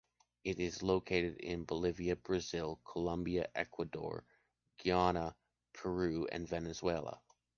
It is located in Bolivia, Brazil, Colombia, Ecuador, Guyana, Peru, and Venezuela.